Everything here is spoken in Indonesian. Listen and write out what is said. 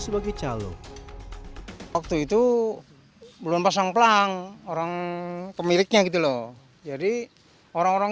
sebagai calon waktu itu belum pasang pelang orang pemiliknya gitu loh jadi orang orang